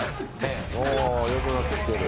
お、良くなってきてる？